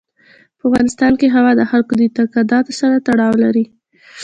په افغانستان کې هوا د خلکو د اعتقاداتو سره تړاو لري.